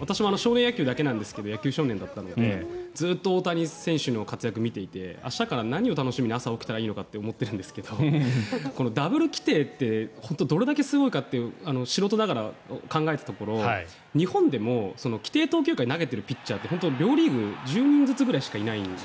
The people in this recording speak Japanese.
私も少年野球だけですが野球少年だったのでずっと活躍を見ていたので明日から何を楽しみにしたらいいのかと思ってるんですがダブル規定ってどれだけすごいのか素人ながら考えたところ日本でも規定投球回投げているピッチャーって両リーグで１０人ぐらいしかいないんです。